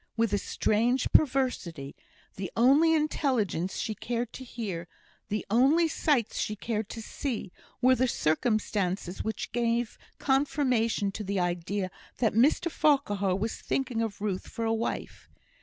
With a strange perversity, the only intelligence she cared to hear, the only sights she cared to see, were the circumstances which gave confirmation to the idea that Mr Farquhar was thinking of Ruth for a wife.